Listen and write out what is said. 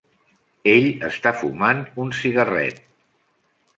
Ell està fumant un cigarret.